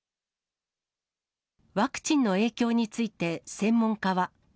ワクチンの影響について、専門家は。